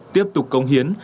tiếp tục công hiến